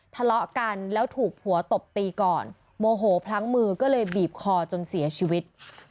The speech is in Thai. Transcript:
ทะเลาะกันแล้วถูกผัวตบตีก่อนโมโหพลั้งมือก็เลยบีบคอจนเสียชีวิต